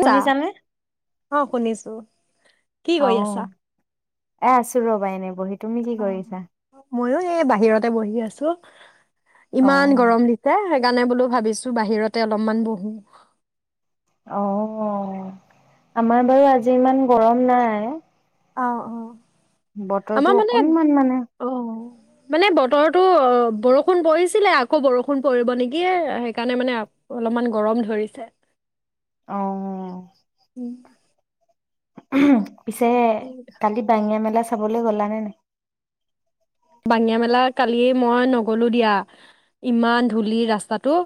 শুনিছানে? অ শুনিছা শুনিছো কি অ কৰি আছা এ আছো ৰবা এনে বহি তুমি কি কৰিছা? আহ ময়ো এই বাহিৰতে বহি আছো অ ইমান গৰম দিছে কাৰণে বোলো ভাবিছো বাহিৰতে অলপমান বহো অ আমাৰ বাৰু আজি ইমান গৰম নাই অ অ আমাৰ বতৰটো মানে অকনমান মানে অ' মানে বতৰটো বৰষুণ পৰিছিলে আকৌ বৰষুণ পৰিব নেকি সেইকাৰণে মানে অলপমান গৰম ধৰিছে আহ উম হ পিছে কালি বাঙা মেলা চাবলৈ গলা নে ন বাঙিয় মেলা কালিয় মই নগলো দিয়া ইমান ধূলি ৰাস্তাটো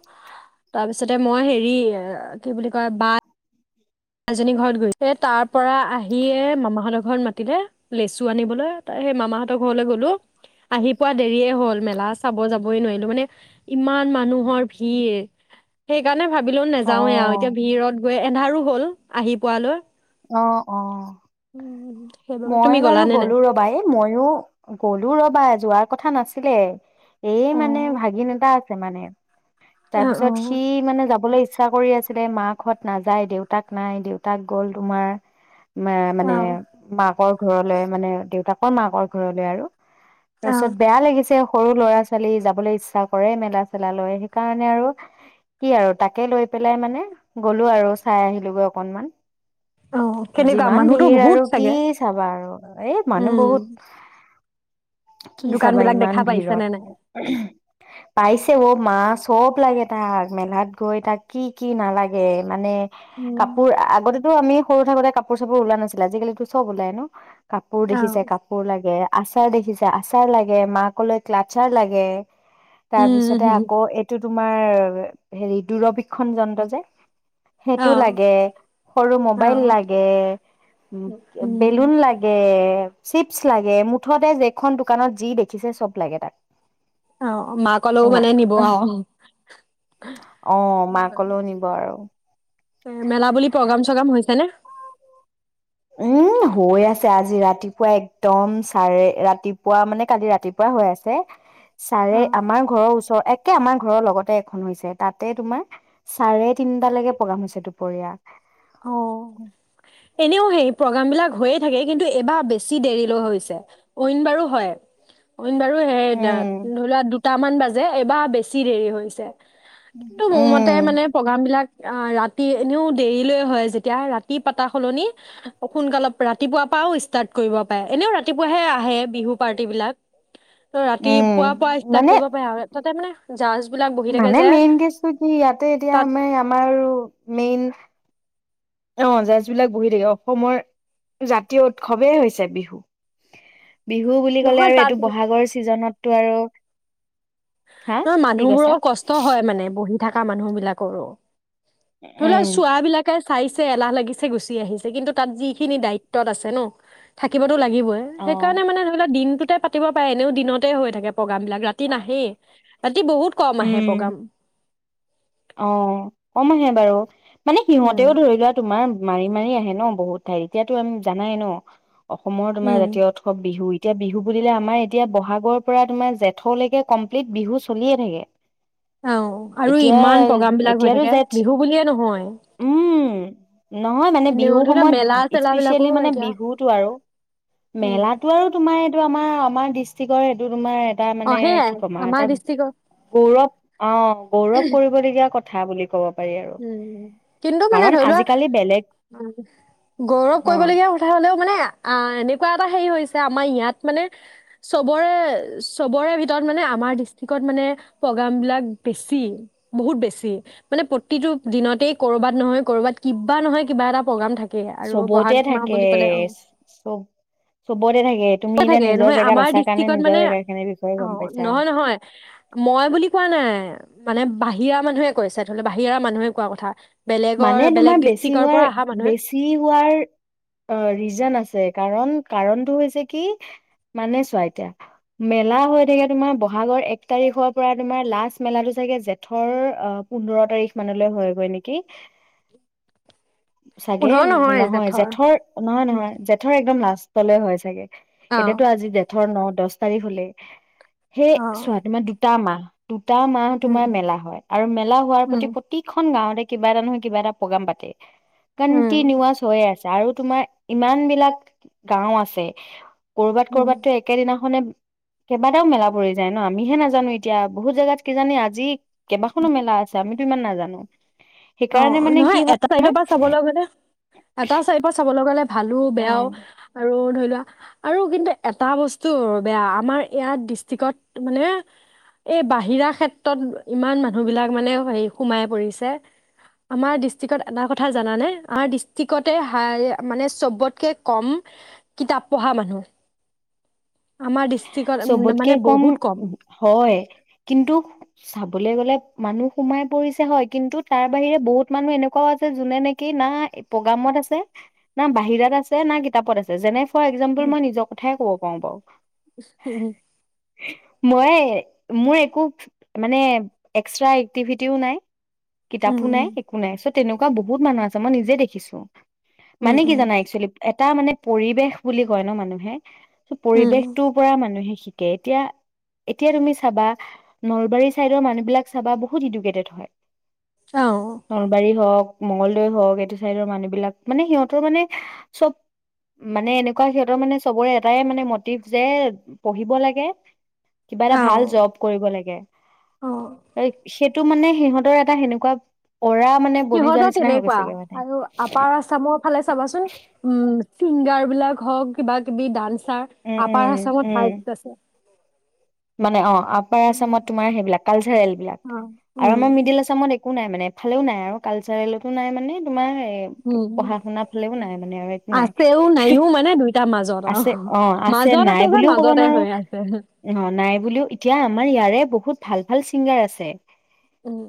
তাৰপিছতে মই হেৰি কি বুলি কয় বাট মাজনী ঘৰত গৈছে তাৰ পৰা আহিয়ে মামাহঁতৰ ঘৰত মাতিলে লেচু আনিবলৈ সেই মামাহঁতৰ ঘৰলৈ গলো আহি পোৱা দেৰিয়ে হ'ল মেলা চাব যাবই নোৱাৰিলো মানে ইমান মানুহৰ ভিৰ সেইকাৰণে ভাবিলোও অ নাযাওৱে আৰু এতিয়া ভিৰত গৈ এন্ধাৰো হ'ল আহি পোৱালৈ অ অ উম সেইবাবে মই তুমি বাৰু গ'লানে নাই গ'লো ৰবা এই ময়ো গ'লো ৰবা যোৱাৰ কথা নাছিল ছিলে এই অ অ মানে ভাগিন এতা আছে মানে অ তাৰ পিছত সি মানে যাবলৈ ইচ্ছা কৰি আছিলে মাক হত নাযায় দেউতাক নাই দেউতাক গ'ল তোমাৰ ম অ মানে মাকৰ ঘৰলৈ মানে দেউতাকৰ মাকৰ ঘৰলৈ আৰু অ', তাৰপিছত বেয়া লাগিছে অ সৰু ল'ৰা ছোৱালী যাবলৈ ইচ্ছা কৰে মেলা চেলা লৈ সেইকাৰণে আৰু কি আৰু তাকে লৈ পেলাই মানে গ'লো আৰু চাই আহিলোগৈ অকনমান অ', কেনেকুৱা যিমান মানুহতো ভিৰ বহুত আৰু কি চাগে চাবা আৰু এই মানুহ উম বহুত কি দোকান চাবা বিলাক ইমান দেখা পাইছে ভিৰত নে নাই পাইছে অ মা চব লাগে তাক মেলাত গৈ তাক কি কি নালাগে মানে কাপোৰ আগতে আমি সৰু থাকোতে কাপোৰ চাপোৰ ওলোৱা নাছিলে আজিকালি তো চব ওলাই ন? কাপোৰ উম অ দেখিছে কাপোৰ লাগে আচাৰ দেখিছে আচাৰ লাগে মাকলৈ ক্লাচাৰ লাগে তাৰপিছতে উম আকৌ এইটো তোমাৰ হেৰি দূৰবীক্ষণ যন্ত্ৰ যে অ সেইটো লাগে সৰু অ মোবাইল লাগে উ উম বেলুন লাগে চিপছ লাগে মুঠতে যেইখন দোকানত যি দেখিছে চব লাগে তাক অ মাকলেও মানে নিব আহ অ মাকলৈও নিব আৰু এ মেলা বুলি প্ৰগ্ৰাম চগ্ৰাম হৈছে নে? উম হৈ আছে আজি ৰাতিপুৱা একদম চাৰে ৰাতিপুৱা মানে কালি ৰাতিপৰা হৈ আছে ছাৰে অ আমাৰ ঘৰৰ ওচৰ এক কে আমাৰ ঘৰৰ লগতে এখন হৈছে তাতে তোমাৰ চাৰে তিনটালৈকে প্ৰগ্ৰাম হৈছে দুপৰীয়া অ এনেও সেই প্ৰগ্ৰাম বিলাক হৈয়ে থাকে কিন্তু এবাৰ বেছি দেৰি ল হৈছে অইন বাৰো হয় অইন বাৰু সেই উম ধৰিলা দু সাতটামান বাজে এবাৰ বেছি দেৰি হৈছে কিন্তু মোৰ মতে উম মানে প্ৰগ্ৰাম বিলাক অ ৰাতি ইনেও ডেইলে হয় যেতিয়া ৰাতি পাতা সলনি সোনকালত ৰাতিপুৱা পৰাও ষ্টাৰ্ট কৰিব পাৰে এনেও ৰাতিপুৱাহে আহে বিহু পাৰ্টি বিলাক ত ৰাতিপুৱা পৰা উম ষ্টাৰ্ট মানে কৰিব পাৰে আৰু তাতে মানে জাৰজ মানে মেইন কেছটো কি ইয়াতে এতিয়া তাত আমাৰ আমাৰ মেইন অ জাৰজ বিলাক বহি থাকে অসমৰ জাতীয় উৎসৱেই হৈছে বিহু বিহু বুলি নহয় ক'লে আৰু তাত এইটো বহাগৰ ছিজনত সেই টো আৰু হা ন কি কৈছা মানুহবোৰৰ কষ্ট হয় মানে বহি থাকা মানুহ বিলাকৰো ধৰি লোৱা উম চুৱা বিলাকে চাইছে এলাহ লাগিছে গুচি আহিছে কিন্তু তাত যিখিনি দায়িত্বত আছে ন থাকিব দিনটো লাগিবই অ সেইকাৰণে মানে ধৰিল ওক দিনটোত তে পাতিব পাৰে এনেও দিনতে হৈ থাকে প্ৰগ্ৰাম বিলাক ৰাতি নাহেই ৰাতি বহুত কম আহে উম প্ৰগ্ৰাম অ কম আহে বাৰু মানে উম সিহঁতেও ধৰি লোৱা তোমাৰ মাৰি মাৰি আহে ন বহুত ঠাইত এতিয়াতো আমি জানাই ন অসমৰ তোমাৰ উম জাতীয় উৎসৱ বিহু এতিয়া বিহু বুলিলে আমাৰ এতিয়া বহাগৰ পৰা তোমাৰ জেঠলৈকে কমপ্লিট বিহু চলিয়ে থাকে [unintelligible] এতিয়া প্ৰগ্ৰাম বিলাক হৈ এতিয়াতো থাকে জেঠ বিহু বুলিয়ে নহয় উম নহয় মানে এনেও বিহু ধৰি লোৱা সময়ত মেলা চেলা বিলাকো স্পেচিয়েলি মানে এতিয়া বিহুতটো আৰু উম মেলাতো আৰু তোমাৰ টো আমাৰ আমাৰ ডিষ্ট্ৰিক্টৰ এইটো তোমাৰ এটা অ মানে সেইয়াই কি ক'ম আৰু আমাৰ এটা ডিষ্ট্ৰিক্টত গৌৰৱ অ গৌৰৱ এতিয়া কথা বুলি ক'ব পাৰি আৰু উম কিন্তু মানে কাৰণ ধৰি লোৱা আজিকালি বেলেগ গৌৰৱ অ কৰিবলগীয়া কথা হলেও মানে অ এনেকুৱা এটা হেৰি হৈছে আমাৰ ইয়াত মানে চবৰে চবৰে ভিতৰত মানে আমাৰ ডিষ্ট্ৰিকত মানে প্ৰগ্ৰাম বিলাক বেছি বহুত বেছি মানে প্ৰতিটো দিনতেই ক'ৰবাত নহয় কৰবাত কিবা নহয় কিবা এটা প্ৰগ্ৰাম থাকে আৰু বহাগ চবতে মাহ থাকে চব চবতে থাকে তুমি কিয় এতিয়া থাকে নিজৰ নহয় জেগাত আমাৰ আছা কাৰণে ডিষ্ট্ৰিকত নিজৰ মানে জেগা খিনিৰ বিষয়ে অ গম পাইছা নহয় নহয় মই বুলি কোৱা নাই মানে বাহিৰা মানুহে কৈছে ধৰি লও বাহিৰা মানুহে কোৱা কথা বেলেগৰ মানে বেলেগ তোমাৰ বেছি ডিষ্ট্ৰিকৰ পৰা হোৱাৰ অহা মানুহে বেছি হোৱাৰ অ ৰিজন আছে কাৰণ কাৰণতটো হৈছে কি মানে চোৱা এতিয়া মেলা হৈ থাকে তোমাৰ বহাগৰ এক তাৰিখৰ পৰা তোমাৰ লাষ্ট মেলাটো চাগে জেঠৰ অ পোন্ধৰ তাৰিখ মানলৈ হয়গৈ নেকি কি চাগে নহয় জেঠৰ নহয় উম, নহয় জেঠৰ একদম লাজ সিফালে হয় চাগে অ এতিয়াতো আজি জেঠৰ ন দহ তাৰিখ হ'লে সেই অ'। চোৱা তোমাৰ তামা দুটা মাহ উম, তোমাৰ মেলা হয় আৰু মেলা হোৱাৰ প্ৰতি উম, প্ৰতিখন গাঁৱতে কিবা এটা নহয় কিবাটা প্ৰগ্ৰেম পাতে উম, কণ্টিনুৱচ হৈ আছে তাৰো তোমাৰ ইমান বিলাক গাওঁ আছে কৰ'বাত উম, কৰ'বাত তো একেই দিনাখনে কেইবাটাও মেলা পৰি যায় ন আমিহে নাজানো এতিয়া বহুত জোগাত কিজানি আজি কেইবাখনো মেলা আছে আমি কিমান নাজানো অ সেইকাৰণে মানে কি নহয় হয় এটা চাইডৰ পৰা চাবলৈ গ'লে, এটা চাইড পা চাবলৈ গ'লে ভালো আমাৰ অ বেয়াও আৰু ধৰি আৰু কিন্তু এটা বস্তু বেয়া আমাৰ ইয়াত ডিষ্ট্ৰিকত মানে এই বাহিৰা ক্ষেত্ৰত ইমান মানুহবিলাক মানে হে সোমাই পৰিছে আমাৰ ডিষ্ট্ৰিকত এটা কথা জানানে আমাৰ ডিষ্ট্ৰিক্টতে হা মানে চবতকে কম কিতাপ পঢ়া মানুহ আমাৰ ডিষ্ট্ৰিকত চবতকে মানে কম বহুত হয়, কিন্তু চাবলৈ গ'লে মানুহ সোমাই পৰিছে হয়, কিন্তু তাৰ বাহিৰে বহুত মানুহ এনেকুৱাও আছে যোনে নেকি না প্ৰগ্ৰামত আছে, না বাহিৰাত আছে, না কিতাপত আছে, যেনে- ফৰ এক্জাম্পল মই নিজৰ কথাই ক'ব পায়োং বাও উম [unintelligible] মইয়ে মোৰ একো মানে এক্সট্ৰা এক্টিভিটিও নাই উম, কিতাপো নাই উম, একো নাই চব তেনেকুৱা বহুত মানুহ আছে, মই নিজে দেখিছো উম, মানে কি উম, জানা একচোৱেলি তাৰ মানে পৰিবেশ বুলি কয় ন মানুহে চ' উম পৰিৱেশটোৰ পৰা মানুহে শিকে এতিয়া, এতিয়া তুমি চাবা নলবাৰী চাইডৰ মানুহ বিলাক চাবা বহুত ইডুকেডেত হয় অ', নলবাৰী হওক মংগলদৈ হওক এইটো চাইদৰ মানুহ বিলাক, মানে সিহঁতৰ মানে চব, মানে এনেকুৱা সিহঁতৰ মানে চবৰে এটাই মানে মটিভ যে পঢ়িব লাগে কিবা এটা ভাল অ'। জব কৰিব লাগে অ টো মানে সিহঁতৰ এটা সেনেকুৱা অৰা মানে বনি যোৱা সিহঁতৰ নিচিনা হৈ তেনেকুৱা আও, গৈছেগে মানে আৰু আপাৰ আচামৰ ফালে চাবাচোন উম ছিংগাৰ বিলাক হওক কিবা কিবি ডান্স ছাৰ উম আপাৰ উম আামত উম হাইছ আছে মানে অ আপাৰ আসামত তোমাৰ সেইবিলাক, কালচাৰেল বিলাক, অ উম আৰু আমাৰ মিডিল আসামত একো নাই মানে এফালেও নাই আৰু কালচাৰেলতো নাই মানে তোমাৰ উম পঢ়া শুনাৰ ফালেও নাই মানে আৰু একো নাই আছেও নাইও মানে দুইটাৰ মাজত আছে, আৰু অ আছে, মাজত নাই যে বুলিও কব মাজতে হৈ আছে নোৱাৰো নাই বুলিও এতিয়া আমাৰ ইয়াৰে বহুত ভাল ভাল ছিংগাৰ আছে উম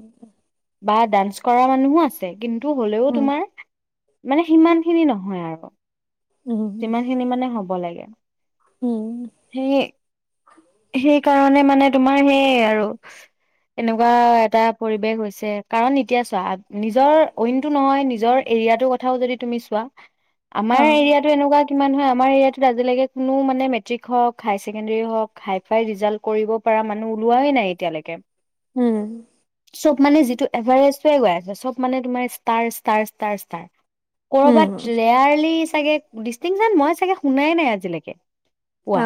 বা ডান্স কৰা মানুহো আছে কিন্তু হ'লেও উম তোমাৰ মানে সিমান খিনি নহয় আৰু উম যিমান খিনি মানে হ'ব হ'ব লাগে উম সেইয়ে সেই কাৰণে মানে তোমাৰ সেইয় আৰু এনেকুৱা এটা পৰি চোবে গৈছে কাৰণ এতিয়া নিজৰ অইনতটো নহয় নিজৰ এৰিয়াটোৰ কথাও যদি তুমি চোৱা অ আমাৰ এৰিয়াত কিমান হয় আমাৰ এৰিয়াতত আজিলৈকে কোনো মানে মেট্ৰিক হক হাই ছেকেণ্ডৰী হক হাই ফাই ৰিজাল্ট কৰিব পৰা মানুহ ওলোৱাই নাই এতিয়ালৈকে উম চব মানে যিটো এভাৰেষ্টয়ে গৈ আছে চব মানে তোমাৰ ষ্টাৰ ষ্ট উম কৰ'বাত ৰেয়াৰলি তাকে ডিষ্টিংছন, মই চাগে শুনাই নাই আজিলৈকে পোৱা, অ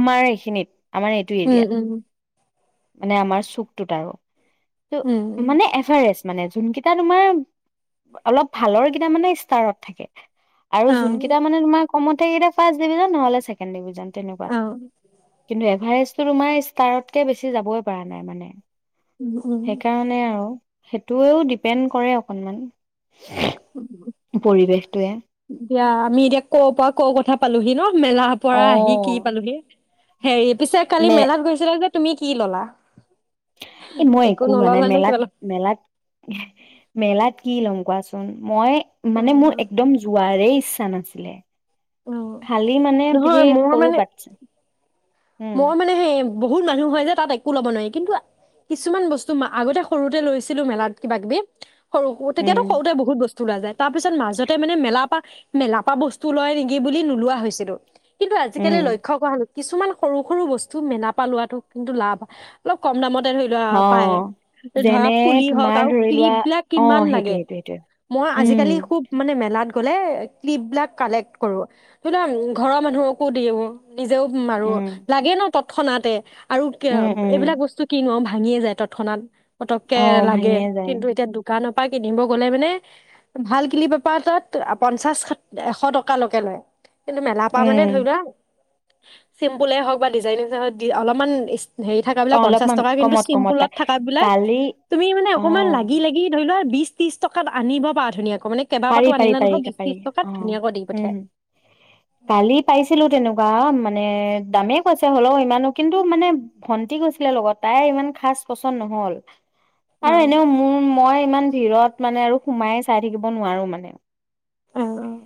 আমাৰ এইখিনিত আমাৰ এইটো উম এৰিয়াত উম মানে আমাৰ চুকটোত আৰু উম মানে এভাৰেষ্ট মানে যোনকেইটা তোমাৰ, অলপ ভালৰ কেইটা মানে ষ্টাৰত থাকে অ আৰু যোন কিবা মানে তোমাক ফাৰ্ষ্ট ডিভিজন নহলে ছেকেণ্ড ডিভিজন অ কিন্তু এভাৰেষ্ট তোমাৰ ষ্টাৰতকে বেছি যাবই পৰা নাই মানে উম উম সেইকাৰণে আৰু সেইটোৱেও ডিপেণ্ড কৰে অকনমান পৰিৱেশটোৱে দিয়া আমি এতিয়া ক'ৰ পৰা ক'ৰ কথা পালোহি ন? মেলাৰ পৰা আহি কি পালোহি হেৰি পিছে কালি মে মেলাত গৈছিলা নে তুমি কি ললা? এ মই একো লোৱা নল'লা নাই। নে কিবা মেলাত, ল'লা? মেলাত মেলাত কি লম কোৱাচোন? মই মানে মোৰ অ', একদম যোৱাৰেই ইচ্ছা নাছিলে অ', খালি মানে নহয় সেই মোৰ সৰু মানে বাাটছা মই মানে সে বহুত মানুহ হয় যে তাত একো ল'ব নোৱাৰি কিন্তু। উম তেতিয়াতো সৰুতে বহুত বস্তু তাৰ পিছত মাজতে মানে মেলাৰপা মেলাৰপা বস্তু লয় নেকি বুলি নোলোৱা হৈছিলো কিন্তু আজিকালি উম লক্ষ্য কৰা কিছুমান সৰু সৰু বস্তু মেলাৰপা লোৱাটো কিন্তু লাভ অলপ কম দামতে ধৰি লোৱা অ পায়, ধৰা যেনে ফুলি হওক তোমাৰ আৰু ধৰি লোৱা ক্লিপ বিলাক অ কিমান সেইটোৱে লাগে? সেইটোৱে সেইটোৱে মই উম আজিকালি খুব মানে মেলাত কলে ক্লিপ বিলাক কালেক্ট কৰো ঘৰৰ মানুহকো দিব নিজেও ম আৰু উম ন তৎক্ষণাতে আৰু উম উম এইবিলাক বস্তু কিন ভাঙিয়ে যায় তৎক্ষণাত পতককে অ লাগে ভাঙিয়ে যায় কিন্তু এতিয়া দোকানৰ পাপা কিনিব গ'লে মানে ভাল কিলি পাপা তাত পঞ্চাশ এশ টকালৈকে লয় কিন্তু মেলা প মানে উম ধৰি লোৱা [inaudible] চিম্পুলই হওক বা ডিজাইনে হওক দি অলপমান হেৰি থকাাবলাক অ পঞ্চাশ অলপমান টকা কিন্তু কমত কমত চিম্পুলত পায় থাকাবলাক কালি তুমি মানে অ অকনমান লাগি লাগি ধৰি লোৱা বি ত্ৰশ টকাত আনিব বাা ধুনীয়াক পাৰি পাৰি পাৰিে পাৰিা অ ধুনীয়াকৈ দি উম পঠিয়াই। কালি পাইছিলো তেনেকুৱা মানে মানে দামেই কৈছে হ'লও ইমানো কিন্তু মানে ভন্টি গৈছিলে লগত তাই ইমান খাজ পচন নহল আৰু অ', এনেও মোৰ মই ইমান ভিৰত মানে আৰু সোমাই চাই থাকিব কব নোৱাৰো মানে অ',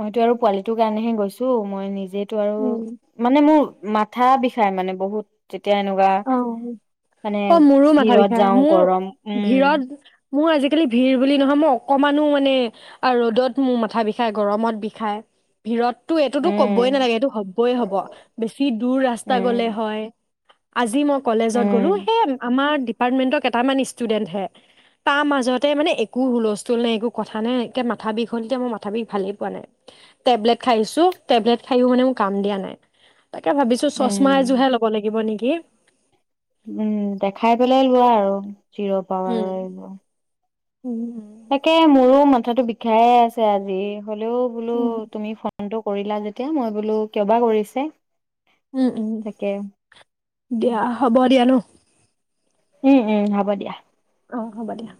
মইতো আৰু পোৱালি টো কাৰণেহে গৈছো মই নিজে আৰু উম মানে মোৰ মাথা বি চাই মানে বহুত এতিয়া এনেকুৱা অ', মানে অ', মোৰো মাথা ভিৰত বিষাই যাওঁ মোৰ গৰম উম ভিৰত মোৰ আজিকালি ভিৰ বুলি নহয় মই অকণমানো মানে ৰ'দত মোৰ মাথা বিষায় গৰমত বিষায় ভিৰত তো এইটোতো ক'বই উম নালাগে এইটো হ'বই হব বেছি দূৰ ৰাস্তা গ'লে উম হয় আজিম কলেজত গ'লো উম সেই আমাৰ এপাৰ্টমেণ্টৰ কেইটামান ষ্টুডেণ্টহে তাৰ মাজতে মানে একো হুলস্থুল নাই একো কথা নাই একে মাথা বিষ হ'ল তেতিয়া মই মাথা বিষ ভালেই পোৱা নাই টেবলেট খাইছোঁ টেবলেট খায়ও মানে মোৰ কাম দিয়া নাই তাকে ভাবিছো চশমা এযোৰহে উম ল'ব লাগিব নেকি উম দেখাই পেলাই লোৱা আৰু চিৰো পাৱাৰ উম ৰিব উম তাকে মোৰো মাথাাতো বিষায়ে আছে আজি হ'লেও বোলো উম উম তুমি ফোনটোক কৰিলা যেতিয়া মই বোলো কিয়বা কৰিছে উম উম তাকে উম উম হ'ব দিয়া অঁ হ'ব দিয়া